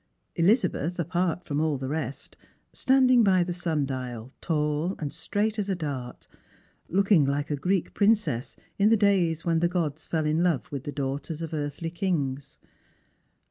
Elizabeth, apart from all the rest, standing by the sun dial, tall, and straight as a dart, looking like a Greek princess in the days when the gods fell in love with the daughters of earthly kings.